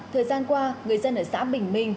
thời gian qua người dân ở xã bình minh